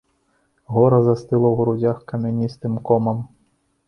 Гора застыла ў грудзях камяністым комам.